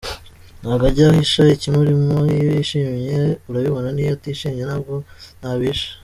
Ntago ajya ahisha ikimurimo, iyo yishimye urabibona n’iyo atishimiye nabwo ntabihisha.